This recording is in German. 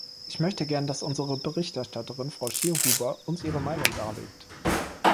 Ich möchte gern, dass unsere Berichterstatterin, Frau Schierhuber, uns Ihre Meinung darlegt.